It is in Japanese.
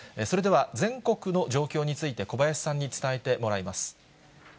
それでは全国の状況について小林さんに伝えてもらいます。